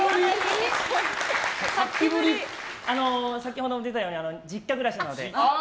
先ほど出たように実家暮らしなので。